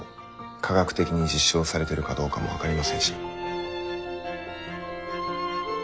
科学的に実証されてるかどうかも分かりませんし。